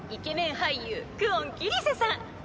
俳優久遠桐聖さん。